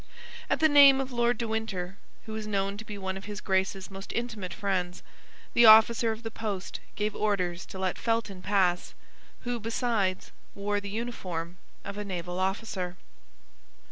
At the name of Lord de Winter, who was known to be one of his Grace's most intimate friends, the officer of the post gave orders to let Felton pass, who, besides, wore the uniform of a naval officer.